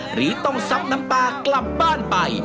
หรือต้องซับน้ำตากลับบ้านไป